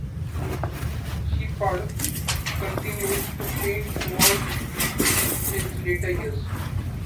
Shepard continued to paint throughout his later years.